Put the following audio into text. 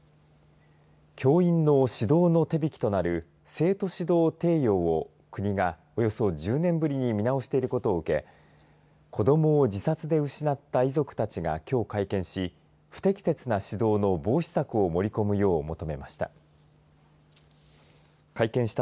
教員の指導の手引きとなる生徒指導提要を国が、およそ１０年ぶりに見直していることを受け子どもを自殺で失った遺族たちがきょう会見し不適切な指導の防止策を盛り込むよう求めました。